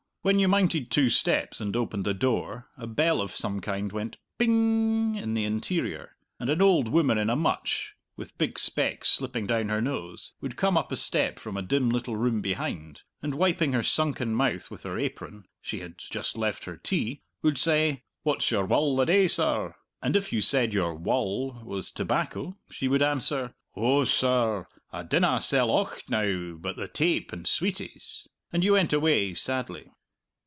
When you mounted two steps and opened the door, a bell of some kind went "ping" in the interior, and an old woman in a mutch, with big specs slipping down her nose, would come up a step from a dim little room behind, and wiping her sunken mouth with her apron she had just left her tea would say, "What's your wull the day, sir?" And if you said your "wull" was tobacco, she would answer, "Ou, sir, I dinna sell ocht now but the tape and sweeties." And then you went away, sadly.